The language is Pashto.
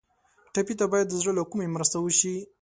ټپي ته باید د زړه له کومي مرسته وشي.